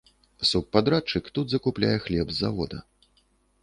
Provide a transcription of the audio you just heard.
Субпадрадчык тут закупляе хлеб з завода.